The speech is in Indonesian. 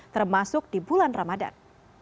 termasuk di bulan ramadan